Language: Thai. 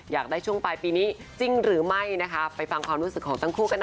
อยากได้ช่วงปลายปีนี้จริงหรือไม่นะคะไปฟังความรู้สึกของทั้งคู่กันหน่อย